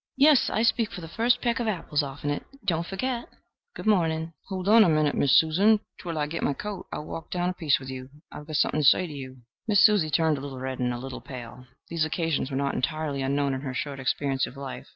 "Yes. I speak for the first peck of apples off'n it. Don't forget. Good morning." "Hold on a minute, Miss Susan, twell I git my coat. I'll walk down a piece with you. I have got something to say to you." Miss Susie turned a little red and a little pale. These occasions were not entirely unknown in her short experience of life.